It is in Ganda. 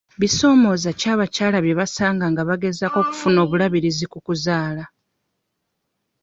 Bisomooza ki abakyala bye basanga nga bagezaako okufuna obulabirizi ku kuzaala?